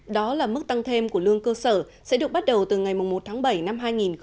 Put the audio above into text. bảy ba mươi tám đó là mức tăng thêm của lương cơ sở sẽ được bắt đầu từ ngày một tháng bảy năm hai nghìn hai mươi